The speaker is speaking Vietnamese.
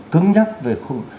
cứng nhắc về